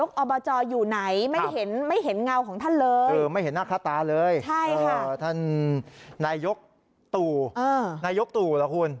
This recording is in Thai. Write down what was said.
คือไม่เห็นหน้าคลับตาเลยนายกตู่หรอคุณ